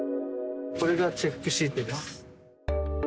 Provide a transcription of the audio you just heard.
これがチェックシートです。